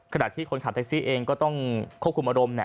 ขณะที่คนขับแท็กซี่เองก็ต้องควบคุมอารมณ์